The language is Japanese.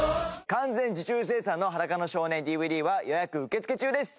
完全受注生産の『裸の少年ＤＶＤ』は予約受け付け中です。